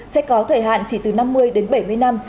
sẽ có thời hạn chỉ từ năm mươi đến bảy mươi năm